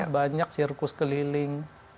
banyak sirkus keliling